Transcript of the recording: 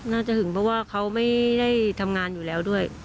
หึงเพราะว่าเขาไม่ได้ทำงานอยู่แล้วด้วย